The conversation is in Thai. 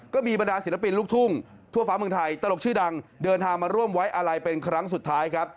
บรรดาศิลปินลูกทุ่งทั่วฟ้าเมืองไทยตลกชื่อดังเดินทางมาร่วมไว้อาลัยเป็นครั้งสุดท้ายครับ